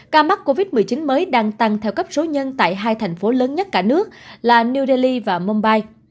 ca mắc covid một mươi chín mới đang tăng theo cấp số nhân tại hai thành phố lớn nhất cả nước là new delhi và mumbai